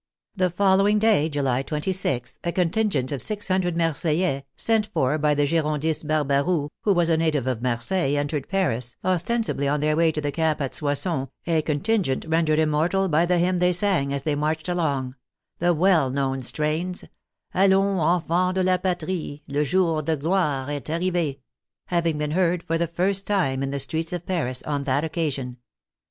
The following day, July 26th, a contingent of six hun dred Marseillais, sent for by the Girondist Barbaroux, who was a native of Marseilles, entered Paris, ostensibly on their way to the camp at Soissons, a contingent ren dered immortal by the hymn they sang as they marched along; the well known strains: " Allons, enfants de la Patrie, Le jour de gloire est arrive," having been heard for the first time in the streets of Paris on that occasion.